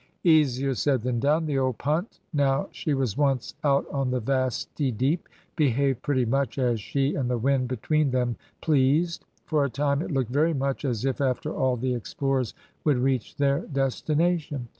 Easier said than done. The old punt, now she was once out on the vasty deep, behaved pretty much as she and the wind between them pleased. For a time it looked very much as if, after all the explorers would reach their destination.